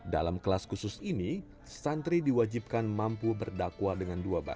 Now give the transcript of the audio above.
dalam kelas khusus ini santri diwajibkan mampu berdakwah dengan dua baca